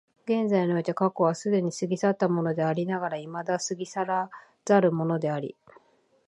現在において過去は既に過ぎ去ったものでありながら未だ過ぎ去らざるものであり、